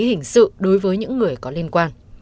hình sự đối với những người có liên quan